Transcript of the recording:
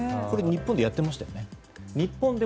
これ日本でやっていましたよね？